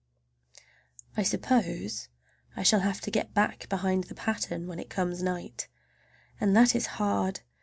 I suppose I shall have to get back behind the pattern when it comes night, and that is hard!